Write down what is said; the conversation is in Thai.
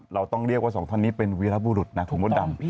เราต้องเรียกว่า๒ท่านนี้เป็นวีรบุรุษนะของบ้านดำ